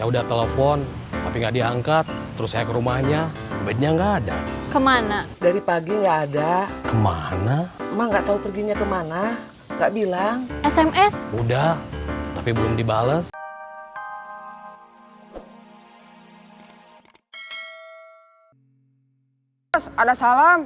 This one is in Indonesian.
udah tapi belum dibales